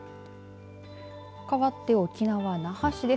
かわって沖縄は那覇市です。